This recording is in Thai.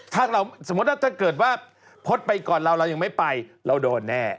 ถ้าเกิดว่าพจน์ไปก่อนเราเรายังไม่ไปเราโดนแน่